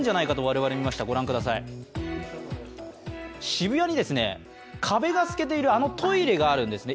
渋谷に壁が透けているトイレがあるんですね。